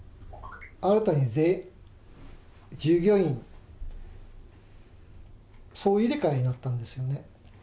新たに全従業員、総入れ替えになったんですよね。